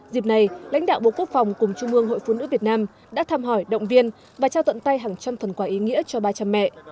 dịp này lãnh đạo bộ quốc phòng cùng trung ương hội phụ nữ việt nam đã thăm hỏi động viên và trao tận tay hàng trăm phần quả ý nghĩa cho ba trăm linh mẹ